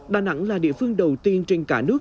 đà nẵng là địa phương đầu tiên trên cả nước